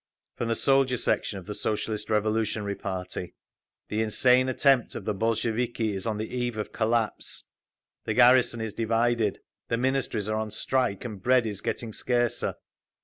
From the Soldier Section of the Socialist Revolutionary party: The insane attempt of the Bolsheviki is on the eve of collapse. The garrison is divided…. The Ministries are on strike and bread is getting scarcer.